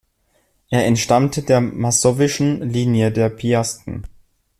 Er entstammte der masowischen Linie der Piasten.